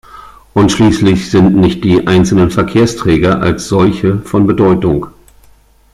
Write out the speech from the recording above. Und schließlich sind nicht die einzelnen Verkehrsträger als solche von Bedeutung.